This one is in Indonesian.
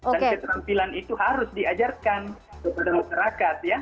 dan keterampilan itu harus diajarkan kepada masyarakat ya